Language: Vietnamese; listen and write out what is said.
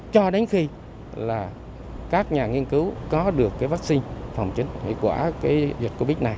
cho đến khi các nhà nghiên cứu có được vaccine phòng chống dịch hệ quả dịch covid này